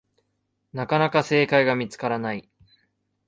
なかなか正解が見つからない